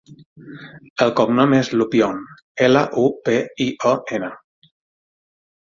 El cognom és Lupion: ela, u, pe, i, o, ena.